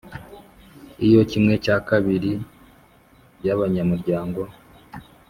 Iyo kimwe cyakabiri by abanyamuryango